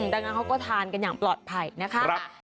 ดังนั้นเขาก็ทานกันอย่างปลอดภัยนะคะ